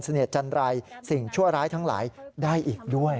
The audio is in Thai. เสน่หจันรัยสิ่งชั่วร้ายทั้งหลายได้อีกด้วย